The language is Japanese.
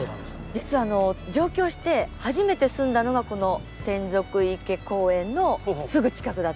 実はあの上京して初めて住んだのがこの洗足池公園のすぐ近くだったんですよ。